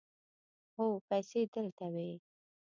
هو، پیسې دلته وې